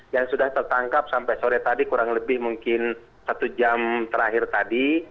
yang sudah tertangkap sampai sore tadi kurang lebih mungkin satu jam terakhir tadi